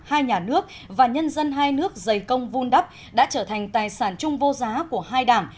hai nhà nước và nhân dân hai nước dày công vun đắp đã trở thành tài sản chung vô giá của hai đảng